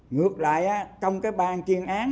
ngược lại trong cái bàn chuyên án